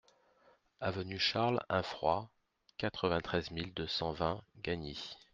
Avenue Charles Infroit, quatre-vingt-treize mille deux cent vingt Gagny